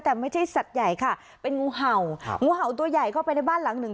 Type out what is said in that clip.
แต่ไม่ใช่สัตว์ใหญ่ค่ะเป็นงูเห่างูเห่าตัวใหญ่เข้าไปในบ้านหลังหนึ่ง